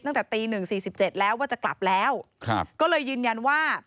ตั้งแต่ตี๑๔๗แล้วว่าจะกลับแล้วก็เลยยืนยันว่า